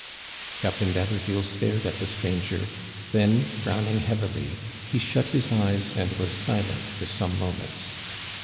Captain d'Haberville stared at the stranger; then, frowning heavily, he shut his eyes and was silent for some moments.